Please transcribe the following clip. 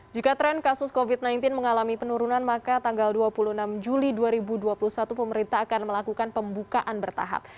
jika tren kasus covid sembilan belas mengalami penurunan maka tanggal dua puluh enam juli dua ribu dua puluh satu pemerintah akan melakukan pembukaan bertahap